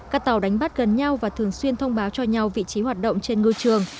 các tàu đánh bắt gần nhau và thường xuyên thông báo cho nhau vị trí hoạt động trên ngư trường